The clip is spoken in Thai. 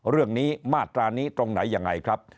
เรื่องนี้มาตรานี้ตรงไหนยังไงครับ